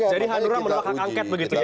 jadi hanura menolak hak angket begitu